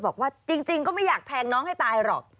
บอกว่าจริงก็ไม่อยากแทงน้องให้ตายหรอก